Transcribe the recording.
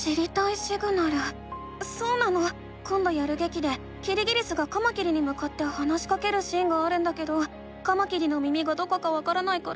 そうなのこんどやるげきでキリギリスがカマキリにむかって話しかけるシーンがあるんだけどカマキリの耳がどこかわからないから知りたいの。